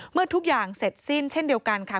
ทุกอย่างเสร็จสิ้นเช่นเดียวกันค่ะ